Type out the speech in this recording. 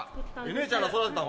姉ちゃんが育てたの？